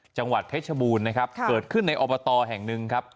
จังหวัดเพชรบูรณ์นะครับเกิดขึ้นในอบตแห่งหนึ่งครับ